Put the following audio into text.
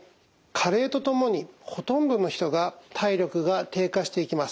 加齢とともにほとんどの人が体力が低下していきます。